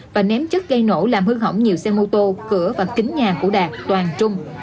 và ném chất gây nổ làm hư hỏng nhiều xe mô tô cửa và kính nhà của đạt toàn trung